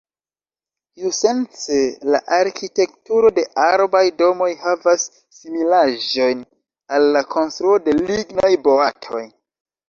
Iusence la arkitekturo de arbaj domoj havas similaĵojn al la konstruo de lignaj boatoj.